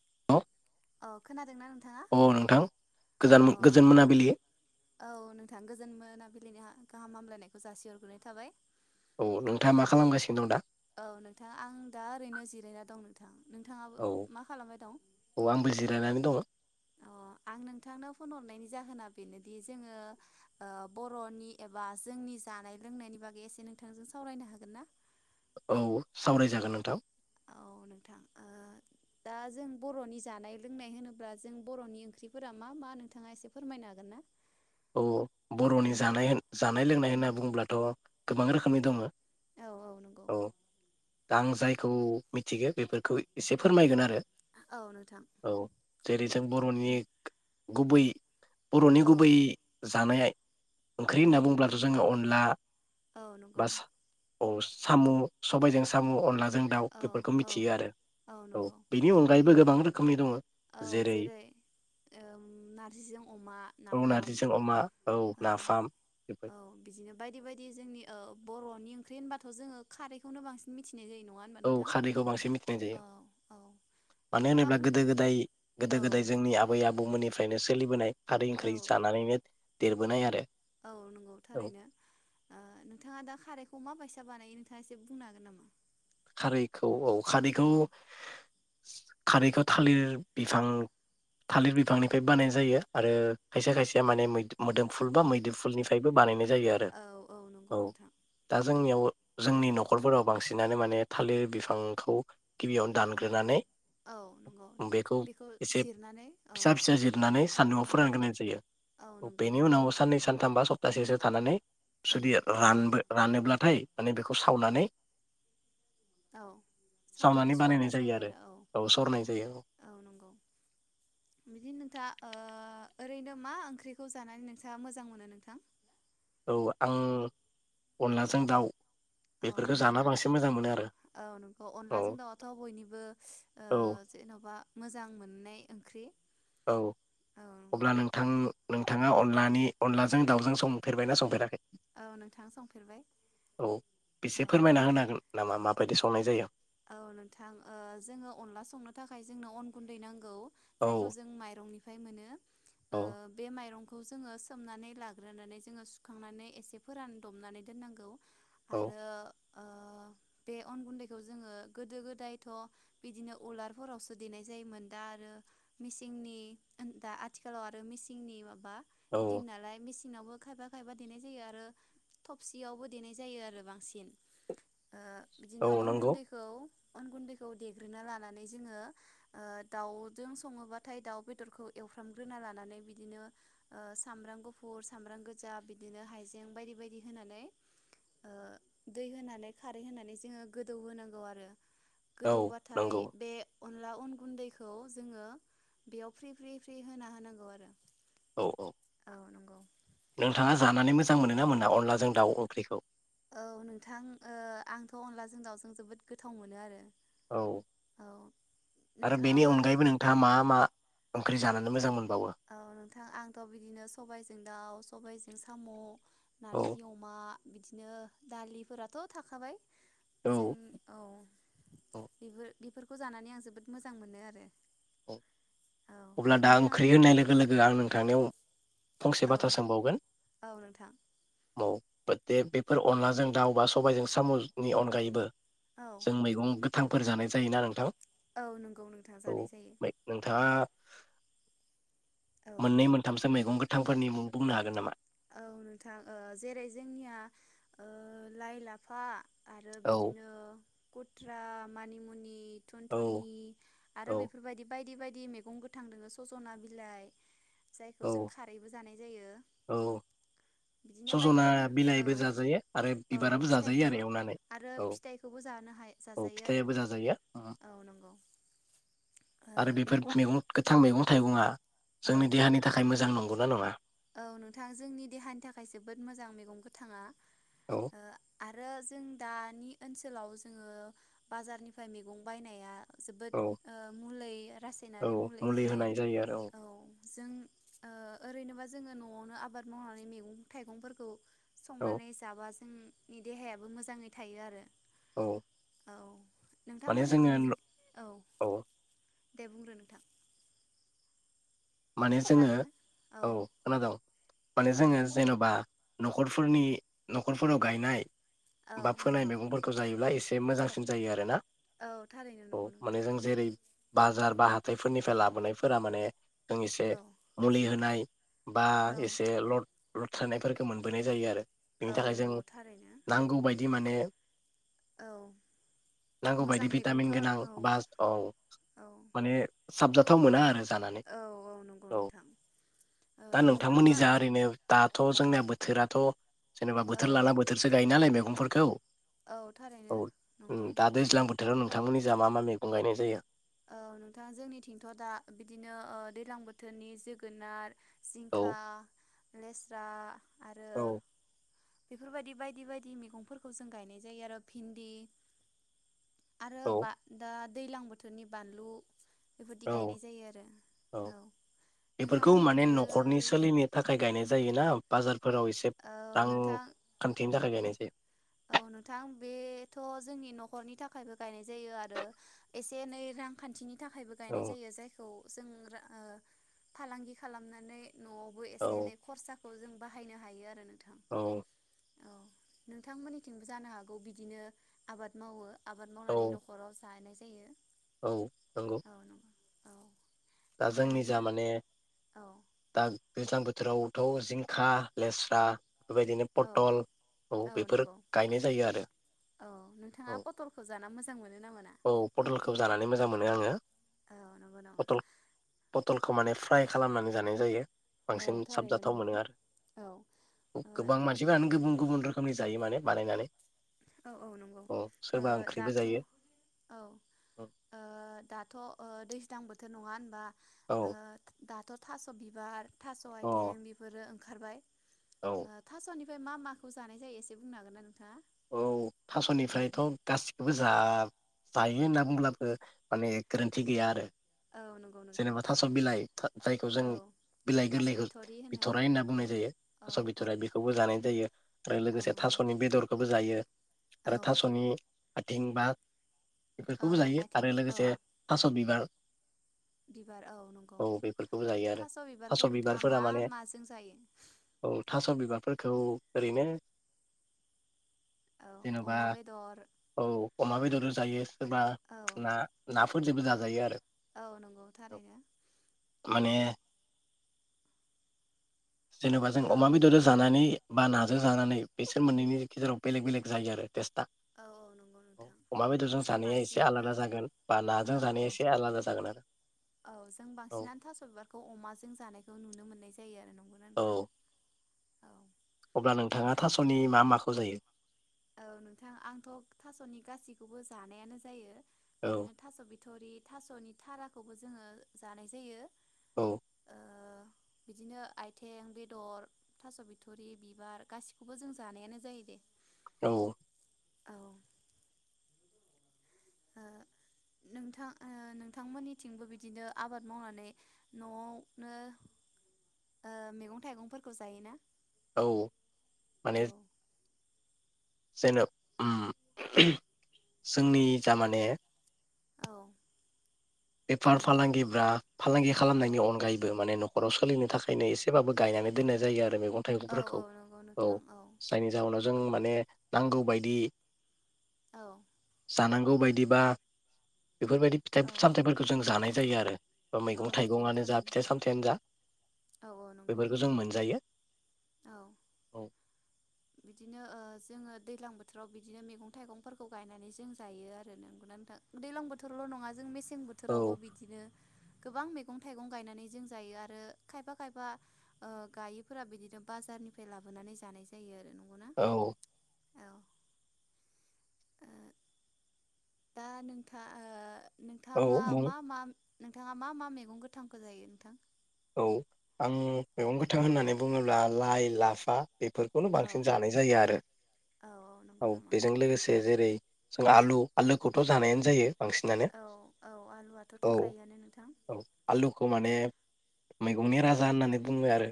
[unintelligible] अ खोनादोंना नों थाङा नोंथां गोजान औ गोजोन मोनाबिलि औ नोंथाङा गोजोन मोना बिलिनि गाहाम हामलायनायखौ जासिहरग्रोनाय थाबाय। औ नोंथाङा मा खालामगासिनो दं दा औ नोंथां आं दा ओरैनो जिरायना दं नों थां नोंथाङाबो मा खालामबाय दं? रायनानै दङ। अ आं नोंथांनाव फन हरनायनि जाहोना बेनोदि जोङो ओ बर'नि एबा जोंनि जानाय लोंनायनि बागै एसे नोंथांजों सावरायनो हागोन ना? औ सावरायजागोन नोंथां। औ नोंथां ओ दा जों बर'नि जानाय लोंनाय होनोब्ला जों बर'नि ओंख्रिफोरा मा मा नोंथाङा एसे फोरमायनो हागोन ना? औ औ बर'नि जानाय होन जा नाय लोंनाय होनना बुङोब्लाथ' गोबां रोखोमनि दङो। औ नंगौ औ दा आं जायखौ मिथिगौ बेफोरखौ एसे फोरमायगोन आरो। औ नोंथां। औ जेरै जों बर'नि गुबै बर'नि औ गुबै जानायाय ओंख्रि औ होनना बुंब्लाथ जोङो अन ला औ नंगौ औ साम' सबायजों साम' अनला जों दाउ औ बेफोरखौ औ मिथियो आरो औ बेनि अनगायैबो गोबां रो खोमनि दङो औ जेरै ओम नारजिजों अमा नाफाम बिजों अमा औ नाफाम बेफोर औ बिदिनो बायदि बायदि जोंनि ओ बर'नि ओंख्रि होनबाथ' जोङो खारैखौनो बसिन मिथि औ खारैखौ बांसिन मिथिनाय औ जायो औ मानो नोंथाङा होनोब्ला बुंनो गोदो गोदाय गोदो औ गोदाय जोंनि आबै आबौ बुमनिफ्रायनो सोलिबोनाय खारै औ ओंख्रि जानानैनो देरबोनाय आरो औ नंगौ औ थारैनो ओ नोंथाङा दा खारैखौ मा बायसा बानायो नोंथाङा एसे बुंनो हागोन नामा खारैखौ औ खारैखौ औ खारैखौ थालिर बिफां थालिर बिफांनिफ्राय बानायनाय जायो आरो खायसे खायसेया माने मोदोम फुल बा मैदोमफुलनिफ्रायबो बानायनाय जायो आरो औ नंगौ औ नोंथां दा जोंनियाव जोंनि न'खरफोराव बांसिनानो माने थालिर बिफांखौ गिबियावनो औ दानग्रोनानै औ नंगौ बेखौ एसे जिरनानै औ फिसा फिसा जिरनानै सान्दुंआव औ फोरानग्रोनाय औ जायो नंगौ बेनि नोंथां उनाव साननै सानथाम बा सप थासैसो थानानै उम जुदि नंगौ रानबो रानोब्लाथाय माने बेखौ सावनानै औ सावनानै सरनाय जायो आरो औ सरनाय जायो औ नंगौ बिदि नोंथा ओ ओरैनो मा ओंख्रिखौ जानानै नोंथाङा मोजां मोनो नोंथां औ आं अनलाजों दाउ औ बेफोरखौ नंगौ जाना न' बांसिन मोजां मोनो आरो औ नंगौ औ अनलाजों दाउआथ' बयनिबो ओ औ जेन'बा मोजां मोननाय ओंख्रि औ औ नंगौ अब्ला नोंथां नों थाङा अनलानि अनलाजों दाउजों संफेरबायना संफेराखै औ नोंथां संफेरबाय औ एसे औ फोरमायना होनो हागोन नामा माबायदि संनाय जायो औ नोंथां ओ जोङो अनला संनो थाखाय जोंनो अन गुन्दै नां गौ औ जायखौ जों माइरंनि फ्राय मोनो औ ओ बे माइरं खौ जोङो सोमनानै लाग्रोनानै जोङो सुखांनानै एसे फोरान दबनानै दोननांगौ। औ आरो ओ बे अन गुन्दैखौ जोङो गोदो गोदायथ' बिदिनो उलारफोरावसो देनाय जायोमोन दा आरो मिसिंनि ओन दा आथिखालाव आरो मिसिंनि ओ बा औ दिनालाय मिसि दिनावबो खायफा खायफा देनाय जायो आरो थबसियावबो देनाय जायो आरो बांसिन। औ नंगौ। औ अन गुन्दैखौ देग्रोना लानानै जोङो ओ दाउजों सङोबाथाय दाउ बेदरखौ एवफ्रामग्रोना लानानै बिदिनो ओ सामब्राम गुफुर सामब्राम गो दौ होनांगौ आरो औ गोदौ बाथाय नंगौ बे अनला अन गुन्दैखौ जोङो बेयाव फ्रि फ्रि फ्रि होना होनांगौ आरो। औ औ औ नंगौ नोंथाङा जानानै मोजां मोनो ना मोना अनलाजों दाउ ओंख्रिखौ? औ नोंथां ओ आंथ' अनलाजों दाउजों जोबोद गोथाव मोनो आरो। औ औ आरो बेनि नोंथाङाबो अनगायैबो नोंथाङा मा मा ओंख्रि जानानै मोजां मोनबावो? औ नोंथां आंथ' बिदिनो सबायजों दाउ सबायाजों साम' औ नारजि अमा बिदिनो दालि फोराथ' थाखाबाय। जों औ औ औ बेफोर बेफोरखौ जानानै आं जोबोद मोजां मोनो आरो। ओम औ अब्ला दा नोंथां ओंख्रि होननाय लोग लोगो लोगो आं नोंथांनियाव फंसे औ बाथ्रा सोंबावगोन औ नोंथां औ। थ दे बेफोर अनलाजों दाउ बा सबायजों साम' नि अनगायैबो औ जों मैगं गो थांफोर जानाय जायोना नोंथां? औ नंगौ नोंथां जानाय औ जायो नोंथाङा औ मोननै मोनथामसो मैगं गोथ थांफोरनि मुं बुंनो हागोन नामा? औ नोंथां ओ जेरै जोंनिया ओ लाइ लाफा आरो औ बिदिनो कुथ्रा मानिमुनि थुन औ थुनि आरो औ बेफोर बादि बायदि बायदि- दि मैगं गोथां दोङो सजना बिलाइ जायखौ जों औ खारैबो जानाय जायो औ बिदिनो बायदि सजना बायदि औ बिलाइबो जाजायो आरो औ बिबाराबो जाजायो आरो फिथाइखौबो एवनानै आरो औ फिथाइखौबो जानो हाय औ जाजायो आरो फिथाइयाबो जाजायो ओ ओम औ नंगौ ओ आरो बेफोर नों मैगं गोथां मैगं थाइगंआ औ जोंनि देहानि थाखाय मोजां नं गौ ना नङा? औ नोंथां जोंनि देहानि थाखाय जोबोद मोजां मैगं गोथाङा औ ओ आरो जों दानि ओनसोलाव जोङो बाजारनिफ्राय मैगं बायनाया जोबोद औ ओ मलुलै औ रासायनारि मुलि होनाय जायो आरो औ जों ओ ओरैनोबा जो जोङो नआवनो आबाद मावनानै मैगं थाइगंफोरखौ औ संनानै जाबासो उम नि देहायाबो मोजाङै थायो आरो औ औ माने जोङो नोंथांमोननिथिं बिदि औ दे बुंग्रो नोंथां माने जोङो औ खोनादोंं माने जोङो जेनबा नखरफोरनि नखरफोराव गायनाय औ बा फोनाय नंगौ मैगंफोरखौ जायोब्ला एसे एसे मोजांसिन जायो आरो ना औ थारैनो नंगौ नोंथां बाजार बा हााइफोरनिफ्राय लाबोनायफोरा माने जों एसे औ मुलि होनाय बा औ एसे लड लड थानायानायफोरखो मोनबोनाय जायो आरो बेनि औ थाखाय नंगौ जों थारैनो नांगौ बायदि बि माने औ नांगौ बायदि मोजां भिटामिन मैगंखौ गोनां औ बा औ औ माने साबजाथाव मोना आरो जानानै औ नंगौ औ नोंथां ओ दा नोंथांमोननि नोंथाङा जा ओरैनो दाथ जोंनिया बोथोराथ जेनबा औ बोथोर लाला बोथोरसो गाय नालाय मे गंफोरखौ औ थारैनो औ ओ नंगौ दा दैज्लां बोथोराव नोंथांमोननि जा मा मा मैगं गायनाय जायो औ नोंथां जोंनिथिंथ' दा बिदिनो अ दैलां बोथोरनि जोगोनार औ जिंखा लेस्रा आरो औ बेफोरबायदि बायदि बायदि मैगंफोरखौ जों गायनाय जायो आरो भिन्दि आरो औ बाग दा दैलां बो थोरनि बानलु औ जायो आरो औ बेफोरखौ माने नोंथांमोननिथिंबो न'खरनि सोलिनो थाखाय गायनाय जायोना बाजार फोराव एसे औ नोंथां रांखान्थिनि थाखाय गायनाय थेब औ नोंथां बे थ' जोंनि न'खरनि थाखायबो गायनाय जायो आरो एसे एनै रांखान्थिनि थाखायबो औ गायनाय जायो जायखौ जों ओ अ फालांगि खालामनानै न'आवबो एसे औ एनै खरसाखौ जों बाहायनो हायो आरो नों औ औ नों थांमोननिथिंबो जानो हागौ बिदिनो आबाद मावो आबाद औ मावनानै न'खराव जानैसो औ नंगौ औ दा ओ जोंनि जा नोंथां माने औ दा गोजां बोथ रावथ जिंखा लेस्रा बेबायदिनो औ पटल औ बेफोर गायनाय जायो आरो औ नोंथाङा औ पटलखौ जाना मोजां मोनो ना मोना औ पटलखौ जानानै मोजां मोनो आङो औ नंगौ नामा पटल पतलखौ माने फ्राय खालामनानै जानाय जायो औ बांसिन थारैनो साबजाथाव मोनो नंगौ आरो औ गोबां मानसिफोरानो गुबुन गुबुन रोखोम रोखोमनि जायो माने बानायनानै औ औ नंगौ अ ओ सोरबा ओंख्रिबो दाथ' जायो औ ओ औ दाथ' दैज्लां बोथोर थोर नङा होनबा अ अओ दाथ' थास' बिबार थास' औ आइथेंं बेफोरो ओंखारबाय ओ थास'नि ओमफ्राय मा माखौ जानाय जायो एसे बुंनो हागोन ना नोंथांङा। औ थास'निफ्रायथ' गासिखौबो जा जायो होनना बुंब्लाबो माने गोरोन्थि गैया आरो। औ नंगौ नोंथां जेनेबा थास' बिलाइ जायखौ जों औ बिलाइ थास' गोरलैखौ बिथ'रि होननानै बिथ'राइ होनना औ बुंनाय जायो औ थास' औ बिथ'राइ बेखौबो जानाय जायो आरो औ लोगोसे नंगौ थास'नि बेदरखौबो जायो औ आरो थास'नि आथिं बा औ बेफोरखौबो जायो आथिं आरो औ लोगोसे थास' बिबार बिबार औ नंगौ औ बेफोरखौबो जायो आरो थास' बिबारखौ नोंथाङा बिबारफोरा मा माने माजों जायो। फोरखौ ओरैनो औ जेनेबा अमा बेदर औ। अमा बेदर जायो। सोरबा औ ना ना फोरजोंबो जायो आरो। औ नंगौ थारैनो ओ माने जेनेबा जों औ अमा बेदरजों जानानै बा नाजों जानानै बेसोर मोननैनि गेजेराव बेलेग बेलेग जायो आरो। टेस्टआ औ औ नंगौ औ नोंथां अमा बेदरजों जों जानाया एसे बांसिनानो आलादा जागोन बा नाजों औ औ जानाया एसे आलादा जागोन आरो। औ जों औ बांसिनानो थास' बिबारखौ अमाजों जानायखौ नुनो मोननाय जायो। आरो न औ। अब्ला ओ नोंथाङा थास'नि मा माखौ जायो? औ नोंथां आंथ' थास'नि गासैखौबो जानायानो जायो। औ बिदिनो थास' बि थ'रि थास'नि थाराखौबो जोङो जानाय जायो। औ। ओ बिदिनो आथिं, बेदर, थास' बिथरि, बिबार गासिखौबो जों जानायानो जायो दे। औ। औ। ओ नोंथां नोंथांमोननिथिंबो बिदिनो आबाद मावनानै न'आवनो मैगं थाइगंफोरखौ जायोना? औ औ माने। जेन' जोंनि जा माने औ। बेफार नंगौ फालांगिफ्रा फालांगि औ खालामनायनि अनगायैबो माने नखर' सोलिनो थाखायनो एसेबाबो गायनानै दोननाय जायो आरो। आरो मैगं औ औ थाइगंफोरखौ नंगौ औ नोंथां जायनि जाहोनाव जों माने नांगौ बायदि औ। जानांगौ बायदिबा बेफोरबायदि फिथाइ औ फो जायो आरो। औ मैगं नंगौ थाइगंनो जा थारैनो फिथाइ सामथाययानो जा औ औ नंगौ बेफोरखौ जों मोनजायो औ औ। बिदिनो ओ जोङो दैलां बोथोराव बिदिनो मैगं थाइगंफोरखौ गायनानै जों जायो आरो नोंगना नोंथां दैलां बोथोरावल नङा जों मेसे मेसें औ बोथोरावबो बिदिनो गोबां मैगं थाइगं गायनानै जों जायो आरो खायफा खायफा ओ गायैफोरा बिदिनो बाजारनिफ्राय लाबोनानै जानाय जायो आरो नंगौना औ। औ ओ दा नोंथा ओ औ नोंथाङा बुं मा मा नोंथाङा मा मा मैगं गोथांखौ जायो नोथां। औ आं मेगं गोथां होननानै बुङोब्ला लाइ लाफा बेफोरखौनो औ बांसिन जानाय जायो आरो औ नंगौ औ नामा बेजों लोगोसे जेरै जों आलु आलुखौथ जानायानो जायो बांसिनानो औ औ आलुआथ' औ थाखायोआनो नोंथां औ आलु खौ माने मैगंनि औ राजा होननानै बुङो आरो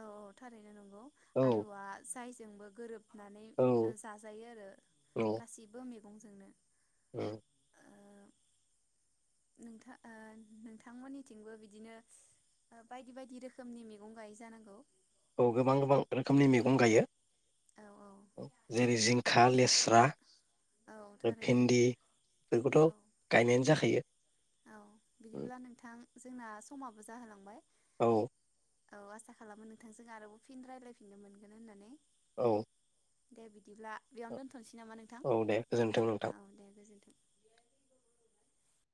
औ औ थारैनो नंगौ औ आलुआ जाय जोंबो गोरोब होननानै औ जाजायो आरो गासिबो मेगं मेगंजोंनो ओ। नोंथां ओ नोंथांमोननिथिंबो बिदिनो ओ बायदि बायदि रोखोमनि मैगं गायो जानांगौ! औ गोबां गोबां रोखोमनि मेगं गायो औ औ जेरै जिंखा लेस्रा औ आरो थारैनो भिन्दि औ बेखौथ गायनायानो जाखायो औ बिदिब्ला नोंथां जोंना समाबो जाहोलांबाय। औ औ आसा खालामो नोंथांजों आरोबाव फिन रायलायफिननो मोनगोन होननानै। औ। दे बिदि बिदिब्ला बेयावनो दोनथनोसै नामा नोंथां औ दे गोजोन्थों नोंथां औ दे गोजोनथों।